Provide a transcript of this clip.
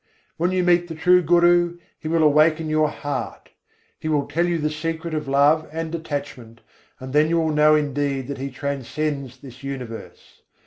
When you meet the true Guru, He will awaken your heart; He will tell you the secret of love and detachment, and then you will know indeed that He transcends this universe.